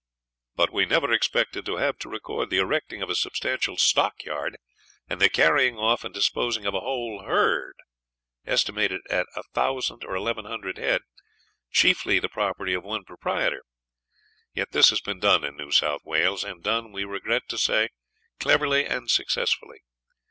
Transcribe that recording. But we never expected to have to record the erecting of a substantial stockyard and the carrying off and disposing of a whole herd, estimated at a thousand or eleven hundred head, chiefly the property of one proprietor. Yet this has been done in New South Wales, and done, we regret to say, cleverly and successfully.